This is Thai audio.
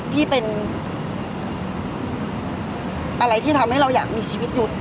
ที่เป็นอะไรที่ทำให้เราอยากมีชีวิตอยู่